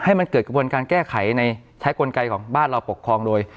ให้มันเกิดกระบวนการแก้ไขในใช้กลไกของบ้านเราปกครองโดย